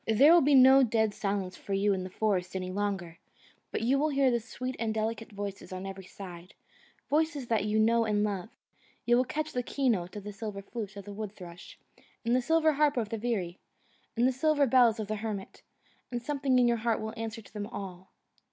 There will be no dead silence for you in the forest, any longer, but you will hear sweet and delicate voices on every side, voices that you know and love; you will catch the key note of the silver flute of the woodthrush, and the silver harp of the veery, and the silver bells of the hermit; and something in your heart will answer to them all.